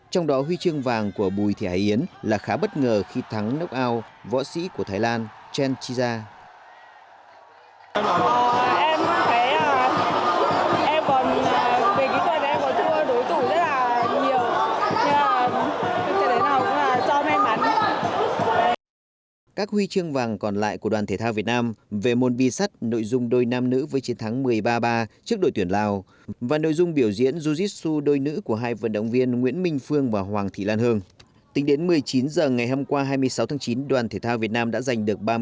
trong đó huy chương vàng của bùi thị hải yến là khá bất ngờ khi thắng knockout võ sĩ của thái lan chen chi ja